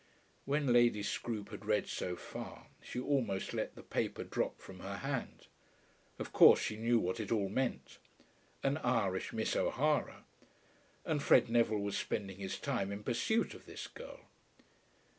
When Lady Scroope had read so far, she almost let the paper drop from her hand. Of course she knew what it all meant. An Irish Miss O'Hara! And Fred Neville was spending his time in pursuit of this girl!